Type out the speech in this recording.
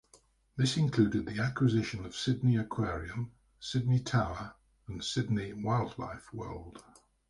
This included the acquisition of Sydney Aquarium, Sydney Tower and Sydney Wildlife World.